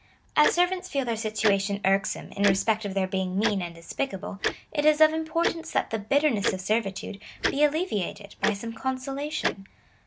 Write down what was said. As servants feel their situation irksome, in respect of their being mean and despicable, it is of importance that the bitterness of servitude be alleviated by some consolation.